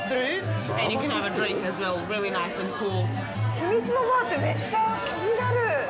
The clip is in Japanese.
秘密のバーって、めっちゃ気になる。